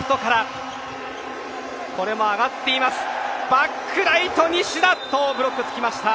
バックライト西田ブロックつきました。